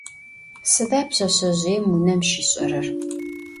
Sıda pşseşsezjıêm vunem şiş'erer?